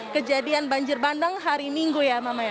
kejadian banjir bandang hari minggu ya mama ya